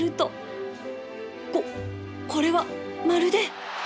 こっこれはまるで